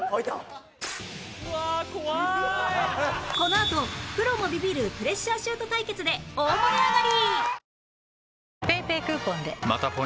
このあとプロもビビるプレッシャーシュート対決で大盛り上がり！